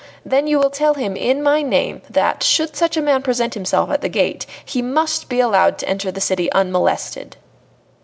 Then you will tell him in my name that, should such a man present himself at the gate, he must be allowed to enter the city unmolested."